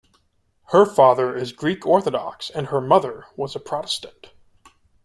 Her father is Greek Orthodox, and her mother was a Protestant.